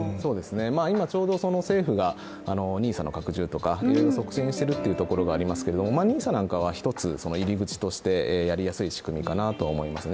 今、政府がＮＩＳＡの拡充とかいろいろ促進してるところがありますがＮＩＳＡなんかは一つ、入口としてやりやすい仕組みかなと思いますね。